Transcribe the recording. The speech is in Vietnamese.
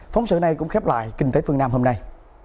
phóng sự này cũng khép lại kinh tế phương nam hôm nay